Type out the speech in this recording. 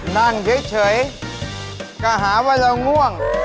นั่งเฉยก็หาว่าเราง่วง